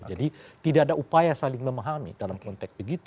jadi tidak ada upaya saling memahami dalam konteks begitu